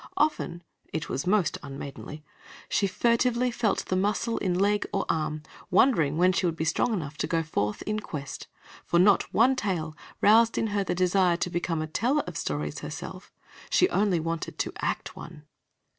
Often it was most unmaidenly she furtively felt of her muscle in leg or arm, wondering when she would be strong enough to go forth in quest, for not one tale roused in her the desire to become a teller of stories herself she only wanted to act one.